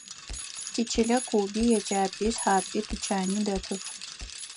Тичылэ клуби, еджапӏи, шхапӏи, тучани дэтых.